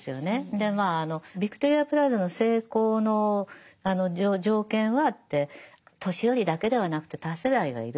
でまああのヴィクトリア・プラザの成功の条件はって年寄りだけではなくて多世代がいる。